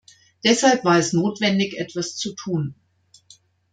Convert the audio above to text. Deshalb war es notwendig, etwas zu tun.